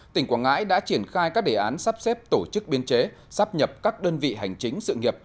tỉnh quảng ngãi đã triển khai các đề án sắp xếp tổ chức biên chế sắp nhập các đơn vị hành chính sự nghiệp